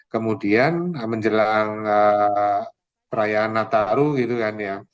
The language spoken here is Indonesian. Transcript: kemudian menjelang perayaan nataru juga